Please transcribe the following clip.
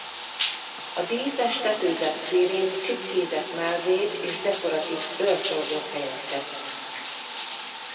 A díszes tetőzet szélén csipkézett mellvéd és dekoratív őrtornyok helyezkednek el.